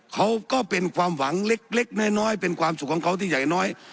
เขาก็เป็นความหวังเล็กน้อยเป็นความสุขของเขาที่ใหญ่น้อย